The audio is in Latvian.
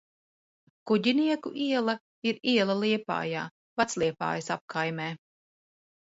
Kuģinieku iela ir iela Liepājā, Vecliepājas apkaimē.